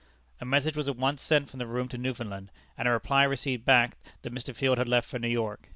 A message was at once sent from the room to Newfoundland, and a reply received back that Mr. Field had left for New York.